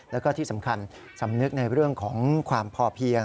แล้วก็ที่สำคัญสำนึกในเรื่องของความพอเพียง